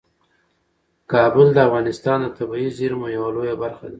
کابل د افغانستان د طبیعي زیرمو یوه لویه برخه ده.